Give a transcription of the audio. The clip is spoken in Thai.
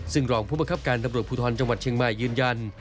ซึ่งรองผู้ประคับการตำรวจภูทรจังหวัดเชียงใหม่ยืนยัน